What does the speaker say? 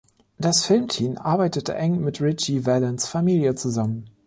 Das Filmteam arbeitete eng mit Ritchie Valens’ Familie zusammen.